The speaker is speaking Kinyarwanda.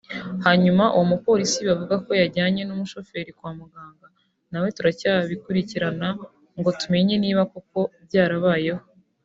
hanyuma uwo mupolisi bavuga ko yajyanye n’umushoferi kwa muganga na we turacyabikurikirana ngo tumenye niba koko byarabayeho